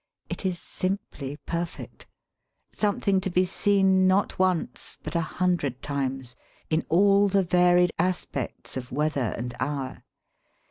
It is simply perfect, some thing to be seen not once but a hundred times in all the varied aspects of weather and hour.